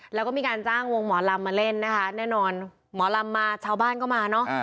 แล้วก็มีการจ้างวงหมอลำมาเล่นนะคะแน่นอนหมอลำมาชาวบ้านก็มาเนอะ